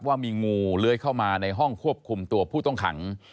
ว่ามีงูเลื้อยเข้ามาในห้องควบคุมตัวผู้ต้องขัง